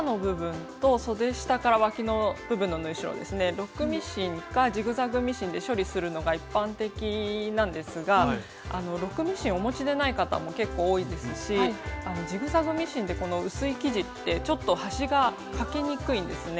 ロックミシンかジグザグミシンで処理するのが一般的なんですがロックミシンお持ちでない方も結構多いですしジグザグミシンでこの薄い生地ってちょっと端がかけにくいんですね。